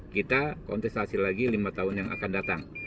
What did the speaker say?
kita kontestasi lagi lima tahun yang akan datang